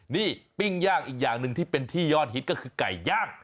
นี่ปิ้งย่างอีกอย่างหนึ่งที่เป็นที่ยอดฮิตก็คือไก่ย่าง